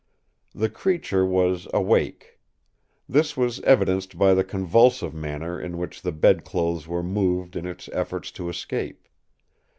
The creature was awake. This was evidenced by the convulsive manner in which the bed clothes were moved in its efforts to escape.